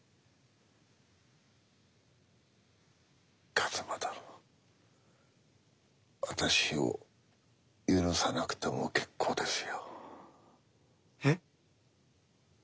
一馬殿私を許さなくても結構ですよ。えっ？